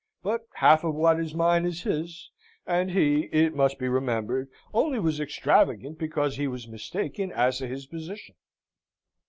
But half of what is mine is his: and he, it must be remembered, only was extravagant because he was mistaken as to his position."